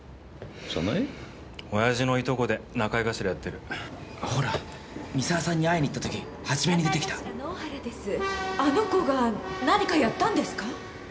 おやじのいとこで仲居頭やってるほら三沢さんに会いに行った時初めに出てきたあの子が何かやったんですか？